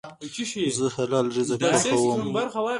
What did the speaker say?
زه حلال رزق خوښوم.